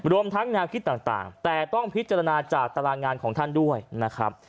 รวมทั้งแนวคิดต่างแต่ต้องพิจารณาจากตารางงานของท่านด้วยนะครับ